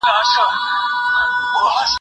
د نجونو ښوونه د ګډو پرېکړو کيفيت لوړوي.